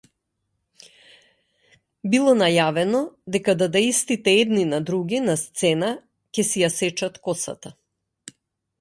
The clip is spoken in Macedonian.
Било најавено дека дадаистите едни на други, на сцена, ќе си ја сечат косата.